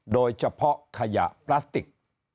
โดยเฉพาะขยะพลาสติก